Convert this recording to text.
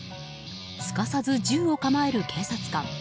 すかさず銃を構える警察官。